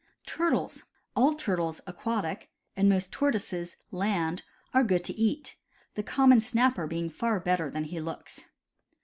Turtles. — All turtles (aquatic) and most tortoises (land) are good to eat, the common snapper being far better than he looks.